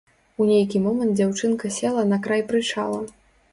У нейкі момант дзяўчынка села на край прычала.